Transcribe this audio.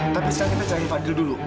tapi sekarang kita cari fadil dulu